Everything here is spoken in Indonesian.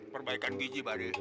perbaikan gigi bari